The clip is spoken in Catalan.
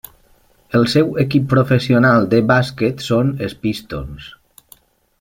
El seu equip professional de bàsquet són els Pistons.